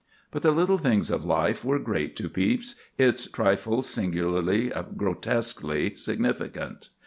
But the little things of life were great to Pepys, its trifles singularly, grotesquely significant.